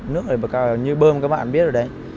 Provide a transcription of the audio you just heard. nước này như bơm các bạn biết rồi đấy